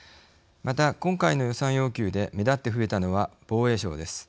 また今回の予算要求で目立って増えたのは防衛省です。